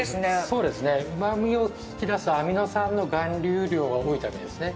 そうですね、うまみを引き出すアミノ酸の含有量が多いためですね。